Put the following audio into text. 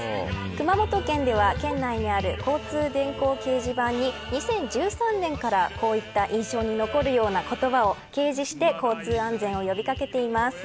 熊本県では県内にある交通電光掲示板に２０１３年からこういった印象に残るような言葉を掲示して交通安全を呼び掛けています。